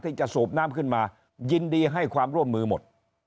สูบน้ำขึ้นมายินดีให้ความร่วมมือหมด